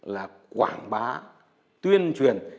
là quảng bá tuyên truyền